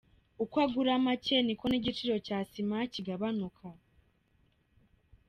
Uko agura make niko n’igiciro cya sima kigabanuka.